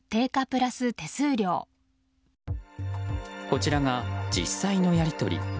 こちらが実際のやり取り。